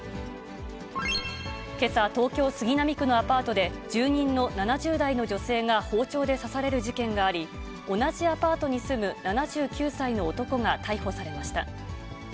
けさ、東京・杉並区のアパートで、住人の７０代の女性が包丁で刺される事件があり、同じアパートに住む７９歳の男が逮捕されました。